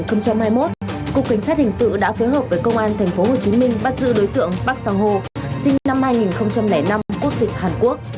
ngày một mươi chín tháng một mươi hai năm hai nghìn hai mươi một cục cảnh sát hình sự đã phối hợp với công an tp hcm bắt giữ đối tượng bác sàng hồ sinh năm hai nghìn năm quốc tịch hàn quốc